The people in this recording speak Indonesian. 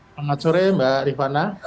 selamat sore mbak rifana